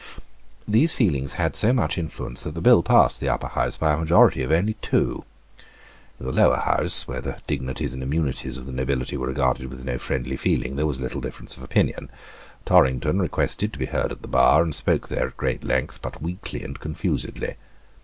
These feelings had so much influence that the bill passed the Upper House by a majority of only two, In the Lower House, where the dignities and immunities of the nobility were regarded with no friendly feeling, there was little difference of opinion. Torrington requested to be heard at the bar, and spoke there at great length, but weakly and confusedly.